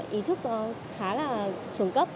ý thức khá là chuẩn cấp